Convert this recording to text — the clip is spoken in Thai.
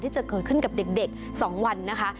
ที่จะเกิดขึ้นกับเด็ก๒วันนะคะ